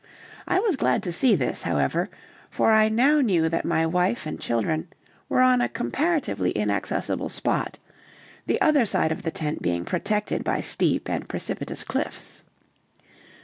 I was glad to see this, however, for I now knew that my wife and children were on a comparatively inaccessible spot, the other side of the tent being protected by steep and precipitous cliffs.